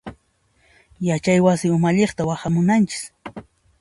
Yachay wasi umalliqta waqhamunanchis.